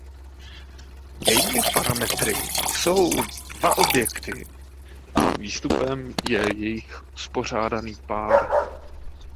Jejími parametry jsou dva objekty a výstupem je jejich uspořádaný pár.